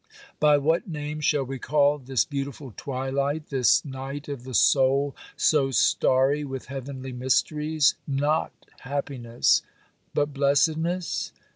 By what name shall we call this beautiful twilight, this night of the soul, so starry with heavenly mysteries, not happiness, but blessedness?